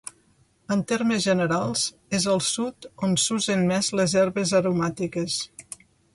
En termes generals, és al Sud on s'usen més les herbes aromàtiques.